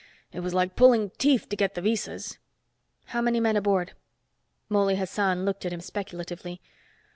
It was like pulling teeth to get the visas." "How many men aboard?" Mouley Hassan looked at him speculatively.